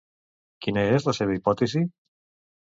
Quina és la seva hipòtesi?